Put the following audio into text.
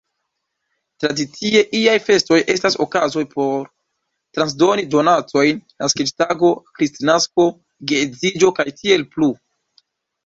Tradicie iaj festoj estas okazoj por transdoni donacojn: naskiĝtago, Kristnasko, geedziĝo, kaj tiel plu.